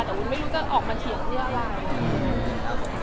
แต่คุณไม่รู้คุณออกมาเถียงมันประโยชน์อะไร